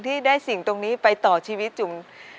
ที่ได้สิ่งตรงนี้ไปต่อชีวิตจุง